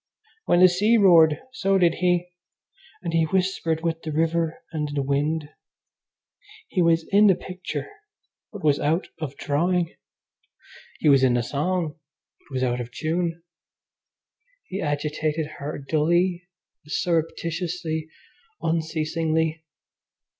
When the sea roared so did he, and he whispered with the river and the wind. He was in the picture but was out of drawing. He was in the song but was out of tune. He agitated her dully, surreptitiously, unceasingly.